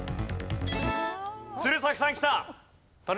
鶴崎さんきた。